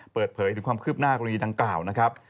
เปิดเผยถึงความคืบหน้ากรณีดังกล่าวนะครับ